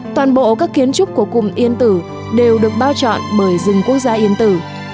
toàn bộ các kiến trúc của cụm yên tử đều được bao chọn bởi rừng quốc gia yên tử